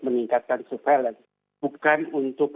meningkatkan surveillance bukan untuk